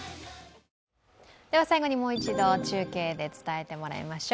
では最後にもう一度中継で伝えてもらいましょう。